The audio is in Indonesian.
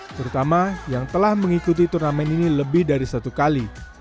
terutama yang telah mengikuti turnamen ini lebih dari satu kali